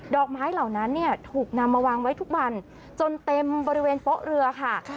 อกไม้เหล่านั้นเนี่ยถูกนำมาวางไว้ทุกวันจนเต็มบริเวณโป๊ะเรือค่ะ